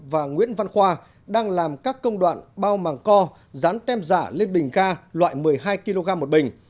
và nguyễn văn khoa đang làm các công đoạn bao màng co rán tem giả lên bình ga loại một mươi hai kg một bình